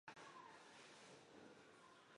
在历史上曾多次改名。